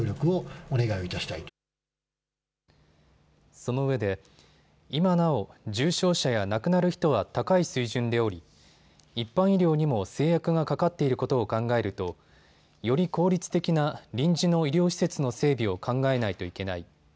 そのうえで今なお、重症者や亡くなる人は高い水準でおり、一般医療にも制約がかかっていることを考えるとより効率的な臨時の医療施設の整備を考えないといけない。